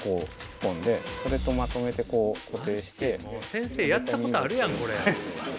先生やったことあるやんこれ。